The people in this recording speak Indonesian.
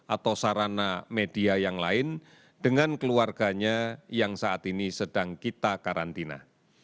atau sarana media yang lain dengan keluarganya yang saat ini sedang kita karantina